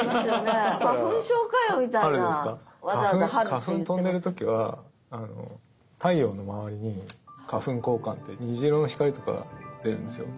花粉飛んでる時は太陽の周りに花粉光環って虹色の光とかが出るんですよ。